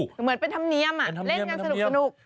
เหมือนเป็นธรรมเนียมเล่นกันสนุก